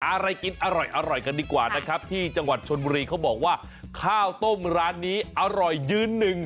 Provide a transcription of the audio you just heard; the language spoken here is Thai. อะไรกินอร่อยกันดีกว่านะครับที่จังหวัดชนบุรีเขาบอกว่าข้าวต้มร้านนี้อร่อยยืนหนึ่ง